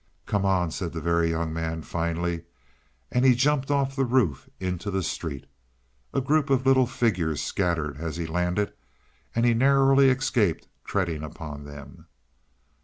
"Come on," said the Very Young Man finally, and he jumped off the roof into the street. A group of little figures scattered as he landed, and he narrowly escaped treading upon them.